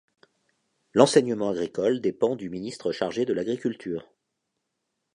L'enseignement agricole dépend du ministre chargé de l'Agriculture.